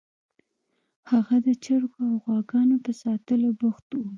هغه د چرګو او غواګانو په ساتلو بوخت و